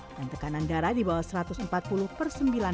dan tekanan darah di bawah satu ratus empat puluh per sembilan puluh